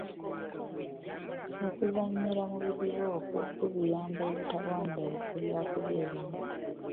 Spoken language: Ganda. Okuzannyira mu bidiba okwo kubiyamba obutalwanira bifo byakubeeramu.